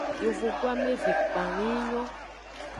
Yovogbu ameve kpang yi nyon.